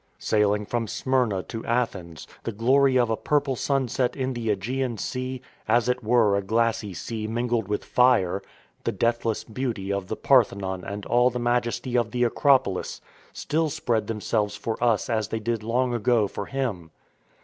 Sailing from Smyrna to Athens, the glory of a purple sunset in the ^gean Sea — "as it were a glassy sea mingled with fire" — the deathless beauty of the Parthenon and all the majesty of the Acropolis, still spread themselves for us as they did long ago for him.